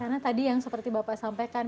karena tadi yang seperti bapak sampaikan